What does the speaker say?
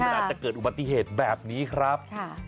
มันอาจจะเกิดอุบัติเหตุแบบนี้ครับ